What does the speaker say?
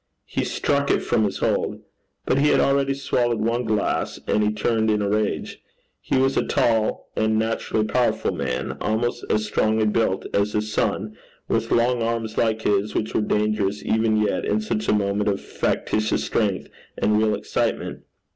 He struck it from his hold. But he had already swallowed one glass, and he turned in a rage. He was a tall and naturally powerful man almost as strongly built as his son, with long arms like his, which were dangerous even yet in such a moment of factitious strength and real excitement.